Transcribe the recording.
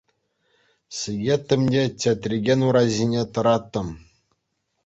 Сикеттӗм те чӗтрекен ура ҫине тӑраттӑм.